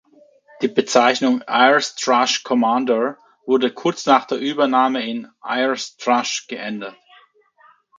Die Bezeichnung "Ayres Thrush Commander" wurde kurz nach der Übernahme in "Ayres Thrush" geändert